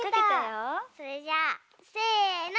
それじゃあせの！